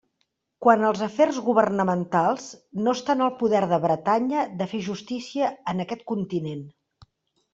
Quant als afers governamentals, no està en el poder de Bretanya de fer justícia en aquest continent.